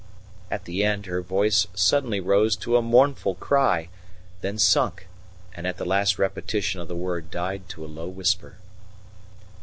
At the end her voice suddenly rose to a mournful cry, then sunk, and at the last repetition of the word died to a low whisper.